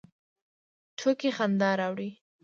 ټوکې خندا راوړي